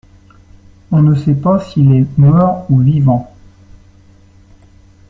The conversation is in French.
On ne sait pas s’il est mort ou vivant.